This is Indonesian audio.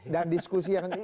dan diskusi yang